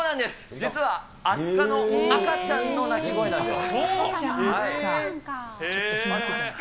実はアシカの赤ちゃんの鳴き声なんです。